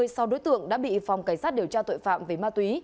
một mươi sao đối tượng đã bị phòng cảnh sát điều tra tội phạm về ma túy